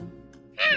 うん。